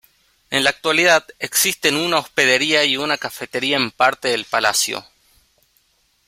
En la actualidad, existen una hospedería y una cafetería en parte del palacio.